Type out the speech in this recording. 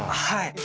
はい。